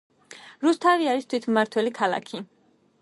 რუსთავი არის თვითმმართველი ქალაქი.